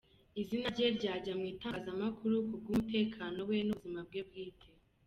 izina rye ryajya mu itangazamakuru ku bwumutekano we nubuzima bwe bwite.